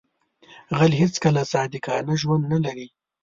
غل هیڅکله صادقانه ژوند نه لري